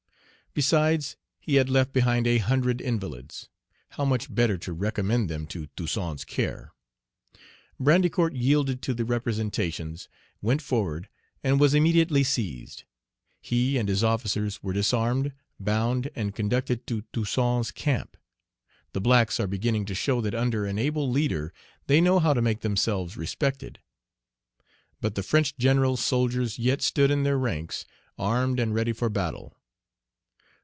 Besides, he had left behind a hundred invalids, how much better to recommend them to Toussaint's care! Brandicourt yielded to the representations, went forward, and was immediately seized. He and his officers were disarmed, bound, and conducted to Toussaint's camp. The blacks are beginning to Page 65 show that under an able leader they know how to make themselves respected. But the French general's soldiers yet stood in their ranks, armed, and ready for battle.